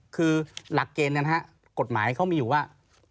คือหลักเกณฑ์กฎหมายเขามีอยู่ว่า